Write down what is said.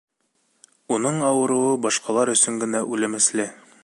Уның ауырыуы башҡалар өсөн генә үлемесле.